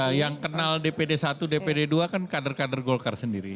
ya yang kenal dpd satu dpd dua kan kader kader golkar sendiri